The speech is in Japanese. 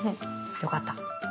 良かった。